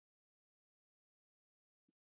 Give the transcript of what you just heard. د خربوزې دانه د تیږې لپاره وکاروئ